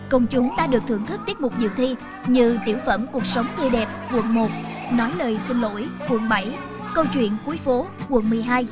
công chúng đã được thưởng thức tiết mục nhiều thi như tiểu phẩm cuộc sống tươi đẹp quận một nói lời xin lỗi quận bảy câu chuyện cuối phố quận một mươi hai